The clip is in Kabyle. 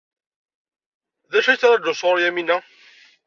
D acu ay la ttṛajun sɣur Yamina?